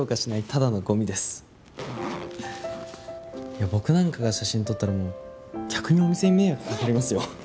いや僕なんかが写真撮ったらもう逆にお店に迷惑かかりますよ。